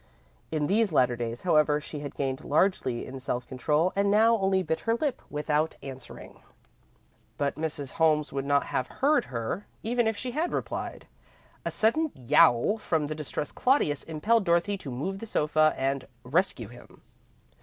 In these latter days, however, she had gained largely in self control, and now only bit her lips without answering. But Mrs. Holmes would not have heard her, even if she had replied. A sudden yowl from the distressed Claudius impelled Dorothy to move the sofa and rescue him.